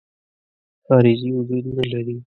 خارجي وجود نه لري.